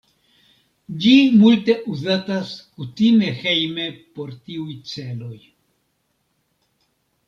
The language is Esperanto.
Ĝi multe uzatas kutime hejme por tiuj celoj.